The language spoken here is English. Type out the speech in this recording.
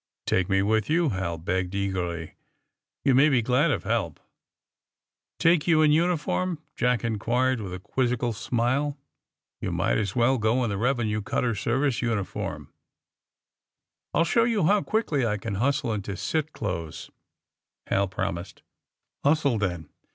Take me with you," Hal begged eagerly. You may be glad of help." Take you in uniform 1" Jack inquired, with a quizzical smile. '^You might as well go in a Revenue Cutter Service uniform." *^ I '11 show you how quickly I can hustle into * cit. ' clothes, '^ Hal promised. ^^ Hustle, then.